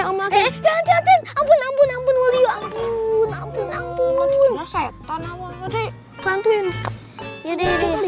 ya ayo makan abun abun abun abun abun abun abun abun setan awal jadi santuin yuk yuk yuk